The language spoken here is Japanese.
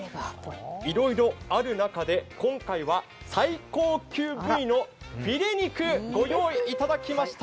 いろいろある中で今回は最高級部位のフィレ肉をご用意いただきました。